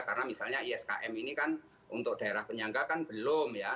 karena misalnya iskm ini kan untuk daerah penyangga kan belum ya